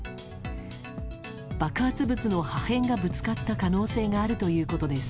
爆発物の破片がぶつかった可能性があるということです。